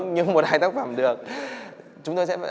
nhưng một hai tác phẩm được